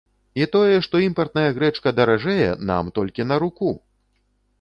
І тое, што імпартная грэчка даражэе, нам толькі на руку!